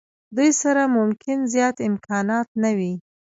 دوی سره ممکن زیات امکانات نه وي.